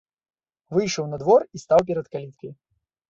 Выйшаў на двор і стаў перад каліткай.